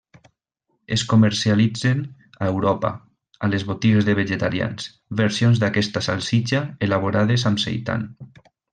Es comercialitzen a Europa, a les botigues de vegetarians, versions d'aquesta salsitxa elaborades amb seitan.